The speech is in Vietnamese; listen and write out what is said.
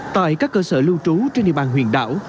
tại các cơ sở lưu trú trên địa bàn huyện đảo